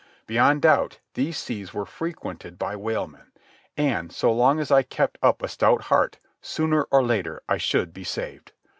Beyond doubt these seas were frequented by whalemen, and, so long as I kept up a stout heart, sooner or later I should be saved.